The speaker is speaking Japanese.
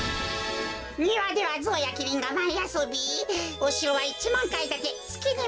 にわではゾウやキリンがまいあそびおしろは１まんかいだてつきにまでとどいているってか。